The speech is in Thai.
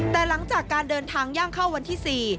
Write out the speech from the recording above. แต่หลังจากการเดินทางย่างเข้าวันที่๔